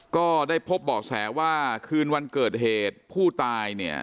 ก็ได้พบเบาะแสว่าคืนวันเกิดเหตุผู้ตายเนี่ย